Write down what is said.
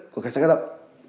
của cảnh sát cơ động